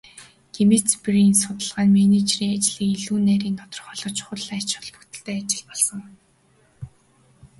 Менцбергийн судалгаа нь менежерийн ажлыг илүү нарийн тодорхойлоход чухал ач холбогдолтой ажил болсон.